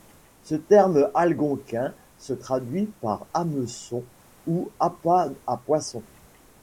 Ce terme algonquin se traduit par hameçon ou appât à poisson.